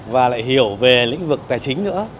và lại hiểu về lĩnh vực tài chính nữa